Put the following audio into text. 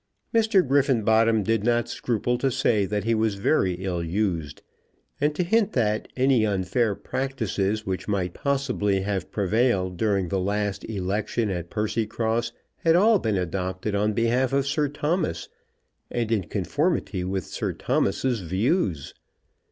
Mr. Griffenbottom did not scruple to say that he was very ill used, and to hint that any unfair practices which might possibly have prevailed during the last election at Percycross, had all been adopted on behalf of Sir Thomas, and in conformity with Sir Thomas's views.